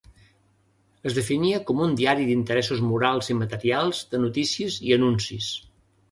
Es definia com un diari d'interessos morals i materials de notícies i anuncis.